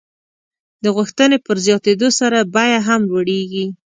د غوښتنې په زیاتېدو سره بیه هم لوړېږي.